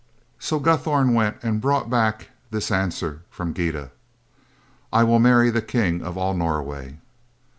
So Guthorm went and brought back this answer from Gyda: "I will marry the king of all Norway."